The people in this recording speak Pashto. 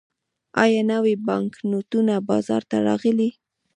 آیا نوي بانکنوټونه بازار ته راغلي؟